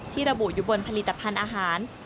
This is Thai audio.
ระบุอยู่บนผลิตภัณฑ์อาหาร